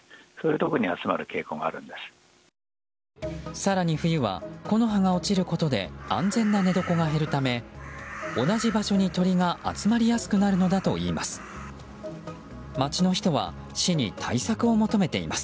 更に、冬は木の葉が落ちることで安全な寝床が減るため同じ場所に鳥が集まりやすくなるのだといいます。